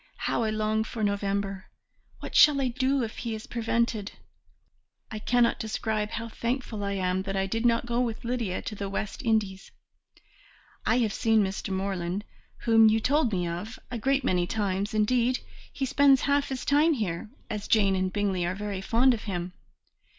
How I long for November! What shall I do if he is prevented? I cannot describe how thankful I am that I did not go with Lydia to the West Indies. I have seen Mr. Morland, whom you told me of, a great many times; indeed, he spends half his time here, as Jane and Bingley are very fond of him.